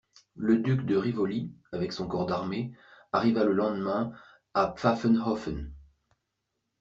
Le duc de Rivoli, avec son corps d'armée, arriva le lendemain à Pfaffenhoffen.